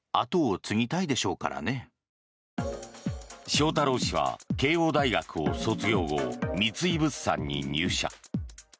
翔太郎氏は慶應大学を卒業後三井物産に入社。